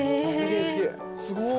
すごい。